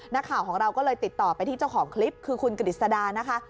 นักข่าวของเราก็เลยติดต่อไปที่เจ้าของคลิปคือคุณกฤษดานะคะ